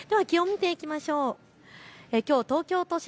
気温、見ていきましょう。